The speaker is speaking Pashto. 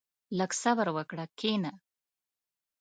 • لږ صبر وکړه، کښېنه.